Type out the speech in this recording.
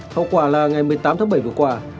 hậu quả là ngày một mươi tám tháng bảy vừa qua